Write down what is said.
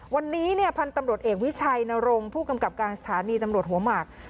วันนี้เนี่ยพันธุ์ตำรวจเอกวิชัยนรงค์ผู้กำกับการสถานีตำรวจหัวหมาก